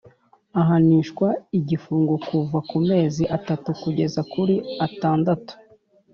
Ahanishwa igifungo kuva ku mezi atatu kugeza kuri atandatu